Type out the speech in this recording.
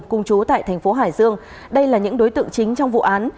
cùng chú tại thành phố hải dương đây là những đối tượng chính trong vụ án